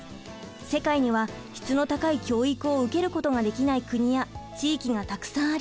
世界には質の高い教育を受けることができない国や地域がたくさんあります。